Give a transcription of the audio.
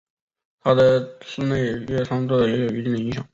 他的室内乐创作也有一定影响。